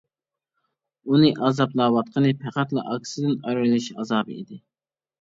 ئۇنى ئازابلاۋاتقىنى پەقەتلا ئاكىسىدىن ئايرىلىش ئازابى ئىدى.